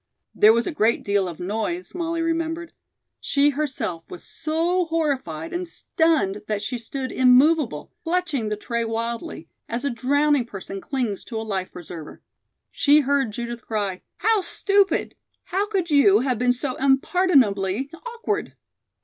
There was a great deal of noise, Molly remembered. She herself was so horrified and stunned that she stood immovable, clutching the tray wildly, as a drowning person clings to a life preserver. She heard Judith cry: "How stupid! How could you have been so unpardonably awkward!"